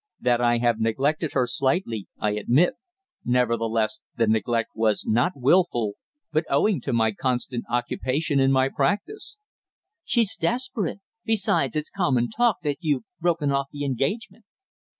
"That I have neglected her slightly I admit; nevertheless the neglect was not wilful, but owing to my constant occupation in my practice." "She's desperate. Besides, it's common talk that you've broken off the engagement."